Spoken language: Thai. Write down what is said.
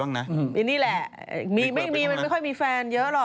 มันค่อยมีแฟนเยอะหรอ